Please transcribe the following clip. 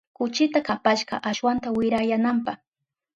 Kuchita kapashka ashwanta wirayananpa.